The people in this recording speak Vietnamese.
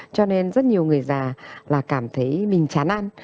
cho nên rất nhiều người già là cảm thấy mình chán ăn